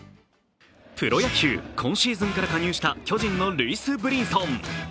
プロ野球、今シーズンから加入した巨人のルイス・ブリンソン。